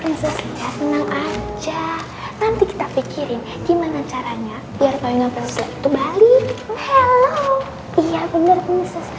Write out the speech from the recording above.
neng aja nanti kita pikirin gimana caranya biar palingan persis itu bali iya bener bener